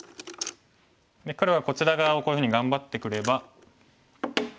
黒がこちら側をこういうふうに頑張ってくれば。